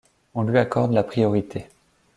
On lui accorde la priorité.